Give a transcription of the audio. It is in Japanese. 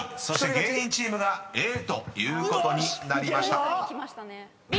［そして芸人チームがＡということになりました］